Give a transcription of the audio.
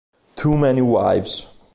Too Many Wives